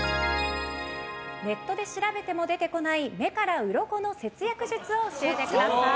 ネットで調べても出てこない目からウロコの節約術の教えてください。